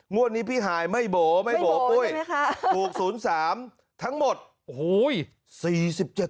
งวดนี้พี่ฮายไม่โบ๊ะไม่โบ๊ะปุ้ยปลูก๐๓ทั้งหมดโอ้โฮ